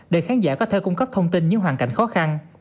để khán giả có thể cung cấp thông tin những hoàn cảnh khó khăn